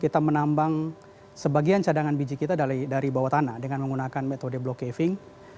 kita menambang sebagian cadangan biji kita dari bawah tanah dengan menggunakan metode block caving